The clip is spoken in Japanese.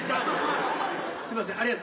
すみません